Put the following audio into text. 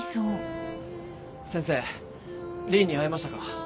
先生凜に会えましたか？